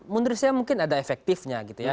menurut saya mungkin ada efektifnya gitu ya